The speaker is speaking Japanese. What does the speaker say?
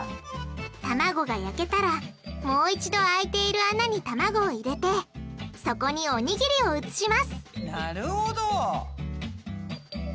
卵が焼けたらもう一度空いている穴に卵を入れてそこにおにぎりを移しますなるほど！